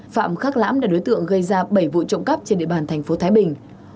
phạm khắc lãm là đối tượng gây ra bảy vụ trộm cắp trên địa bàn tp thái bình